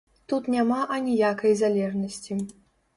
Тут няма аніякай залежнасці.